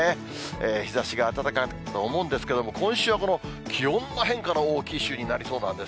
日ざしが暖かいと思うんですけど、今週はこの気温の変化の大きい週になりそうなんです。